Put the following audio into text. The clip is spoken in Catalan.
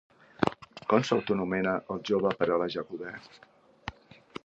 Com s'autoanomena el jove per a la Jacobè?